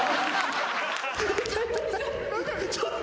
ちょっと。